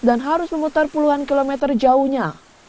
dan harus memutar puluhan kilometer jauhnya